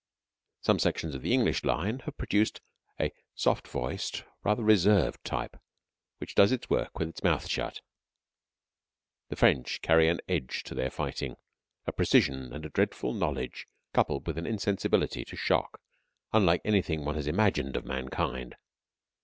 Some sections of the English line have produced a soft voiced, rather reserved type, which does its work with its mouth shut. The French carry an edge to their fighting, a precision, and a dreadful knowledge coupled with an insensibility to shock, unlike anything one has imagined of mankind.